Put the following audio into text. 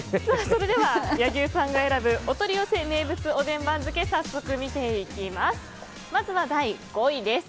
それでは柳生さんが選ぶお取り寄せ名物おでん番付早速見ていきます。